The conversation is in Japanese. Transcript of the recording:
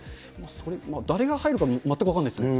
誰が入るか、全く分かんないですね。